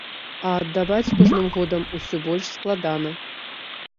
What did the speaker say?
А аддаваць з кожным годам усё больш складана.